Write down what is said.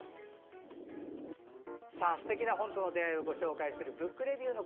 続いては、すてきな本との出会いをお届けする「ブックレビュー」。